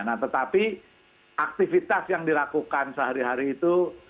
nah tetapi aktivitas yang dilakukan sehari hari itu